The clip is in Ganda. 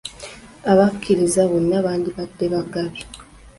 Abakiriza bonna bandibadde bagabi.